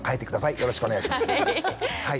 よろしくお願いします。